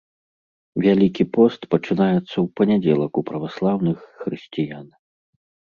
Вялікі пост пачынаецца ў панядзелак у праваслаўных хрысціян.